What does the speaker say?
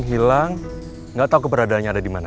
hilang gak tau keberadaannya ada dimana